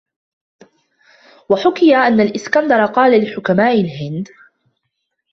وَحُكِيَ أَنَّ الْإِسْكَنْدَرَ قَالَ لِحُكَمَاءِ الْهِنْدِ